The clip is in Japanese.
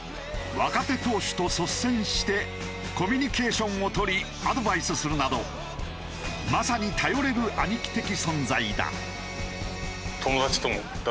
若手投手と率先してコミュニケーションを取りアドバイスするなどまさに頼れる兄貴的存在だ。